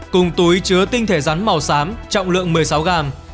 cùng túi chứa tinh thể rắn màu xám trọng lượng một mươi sáu gram